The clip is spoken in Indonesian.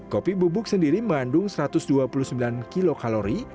kopi bubuk sendiri mengandung satu ratus dua puluh sembilan kilokalori